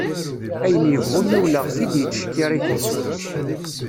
Ayen yebɣu niwleɣ-t-id yettcekkir-it-id.